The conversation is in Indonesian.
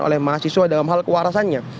oleh mahasiswa dalam hal kewarasannya